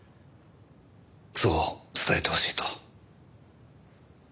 そう伝えてほしいと。